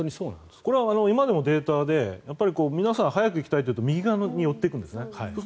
これは今でもデータで皆さん、早く行きたいとなると右側に寄って行くんですね。